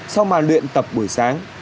sau mà luyện tập buổi sáng